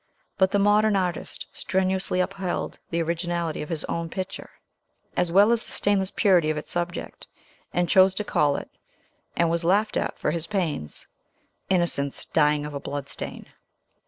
But the modern artist strenuously upheld the originality of his own picture, as well as the stainless purity its subject, and chose to call it and was laughed at for his pains "Innocence, dying of a Blood stain!"